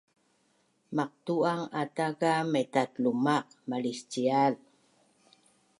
Maqtu’ang ata ka maitatlumaq maliscial